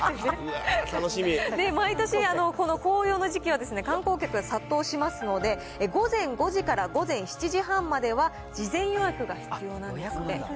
毎年、この紅葉の時期は、観光客が殺到しますので、午前５時から午前７時半までは事前予約が予約がいるんだ。